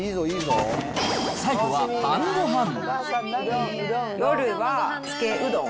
最後は晩ごはん。